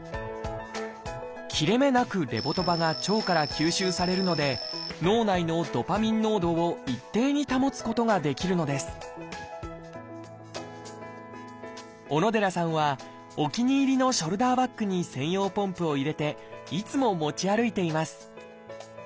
切れ目なくレボドパが腸から吸収されるので脳内のドパミン濃度を一定に保つことができるのです小野寺さんはお気に入りのショルダーバッグに専用ポンプを入れていつも持ち歩いています。